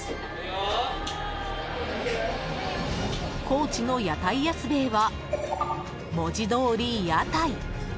高知の屋台安兵衛は文字どおり、屋台。